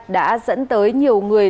đã dẫn tới nhiều người